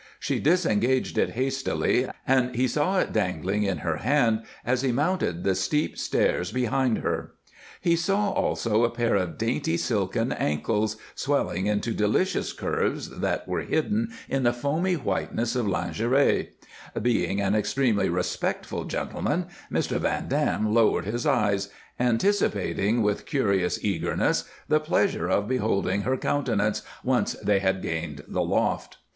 She disengaged it hastily, and he saw it dangling in her hand as he mounted the steep stairs behind her. He saw also a pair of dainty silken ankles, swelling into delicious curves that were hidden in the foamy whiteness of lingerie. Being an extremely respectful gentleman, Mr. Van Dam lowered his eyes, anticipating with curious eagerness the pleasure of beholding her countenance, once they had gained the loft.